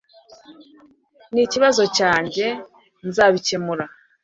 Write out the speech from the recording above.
Ni ikibazo cyanjye. Nzabikemura.